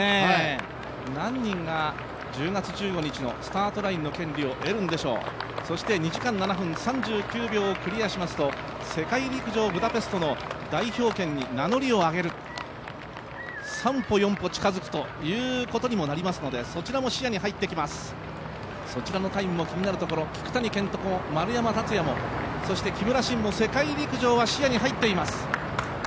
何人が１０月１５日のスタートラインの権利を得るんでしょう、そして２時間７分３９秒だと世界陸上ブダペストの代表権に名乗りを上げる、３歩、４歩近づくということになりますのでそちらも視野に入ってきます、そちらのタイムも気になるところ、聞谷賢人と丸山竜也も、木村慎も入っています。